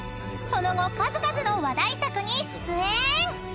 ［その後数々の話題作に出演］